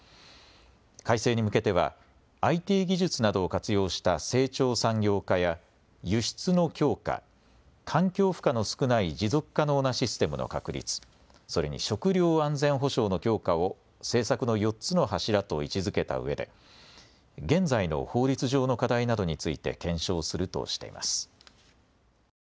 改正に向けてはＩＴ技術などを活用した成長産業化や輸出の強化、環境負荷の少ない持続可能なシステムの確立、それに食料安全保障の強化を政策の４つの柱と位置づけたうえで現在の法律上の課題などについて検証するとしています。